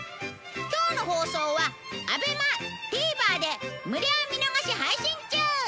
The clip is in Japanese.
今日の放送はＡＢＥＭＡＴＶｅｒで無料見逃し配信中！